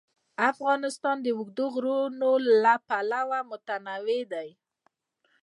افغانستان د اوږده غرونه له پلوه متنوع دی.